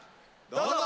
どうぞ！